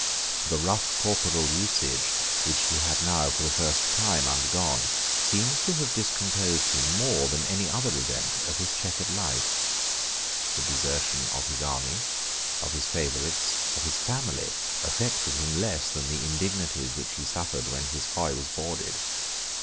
The rough corporal usage which he had now, for the first time, undergone, seems to have discomposed him more than any other event of his chequered life. The desertion of his army, of his favourites, of his family, affected him less than the indignities which he suffered when his hoy was boarded.